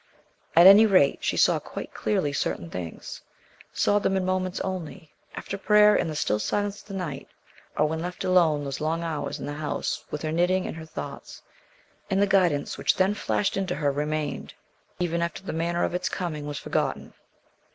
At any rate, she saw quite clearly certain things; saw them in moments only after prayer, in the still silence of the night, or when left alone those long hours in the house with her knitting and her thoughts and the guidance which then flashed into her remained, even after the manner of its coming was forgotten.